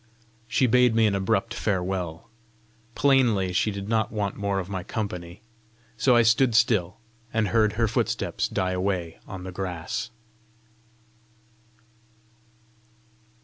She bade me an abrupt farewell. Plainly she did not want more of my company; so I stood still, and heard her footsteps die away on the grass.